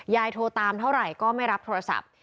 โทรตามเท่าไหร่ก็ไม่รับโทรศัพท์